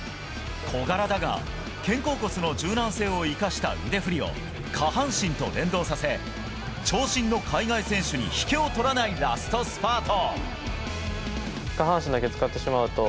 小柄だが、肩甲骨の柔軟性を生かした腕振りを下半身と連動させ長身の海外選手に引けを取らないラストスパート。